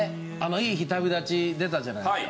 『いい日旅立ち』出たじゃないですか。